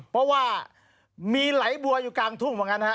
เพราะว่ามีไหลบัวอยู่กลางทุ่งเหมือนกันฮะ